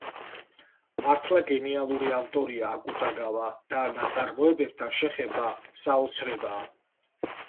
მართლა გენიალური ავტორია აკუტაგავა და ნაწარმოებთან შეხება საოცრებაა.